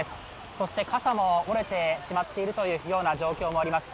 そして傘も折れてしまっているという状況があります。